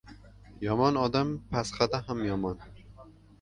• Yomon odam pasxada ham yomon.